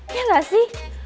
ya gak sih